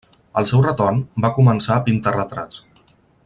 Al seu retorn, va començar a pintar retrats.